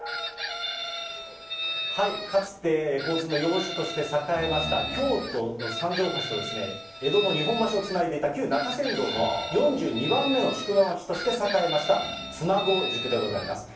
かつて交通の要所として栄えました京都・三条大橋と江戸の日本橋をつないでいた、旧中山道の４２番目の宿場町として栄えました妻籠宿でございます。